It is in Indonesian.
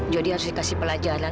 jody harus dikasih pelajaran